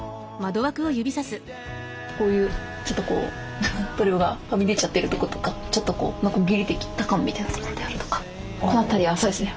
こういうちょっと塗料がはみ出ちゃってるとことかちょっとこうノコギリで切った感みたいなところであるとかこの辺りはそうですね